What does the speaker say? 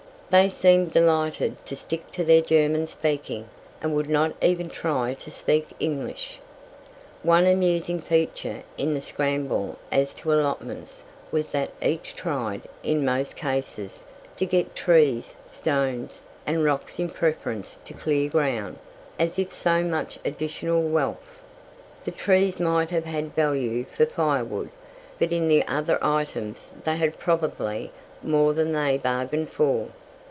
They seemed delighted to stick to their German speaking, and would not even try to speak English. One amusing feature in the scramble as to allotments was that each tried, in most cases, to get trees, stones, and rocks in preference to clear ground, as if so much additional wealth. The trees might have had value for firewood, but in the other items they had probably more than they bargained for.